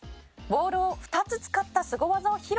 「ボールを２つ使ったスゴ技を披露」